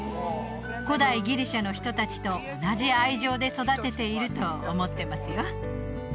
古代ギリシャの人達と同じ愛情で育てていると思ってますよ